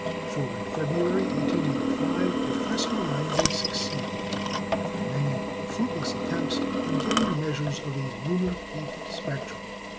For in February, 1885, Professor Langley succeeded, after many fruitless attempts, in getting measures of a "lunar heat spectrum."